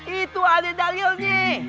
itu ada dalilnya